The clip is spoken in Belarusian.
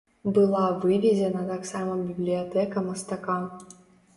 Была вывезена таксама бібліятэка мастака.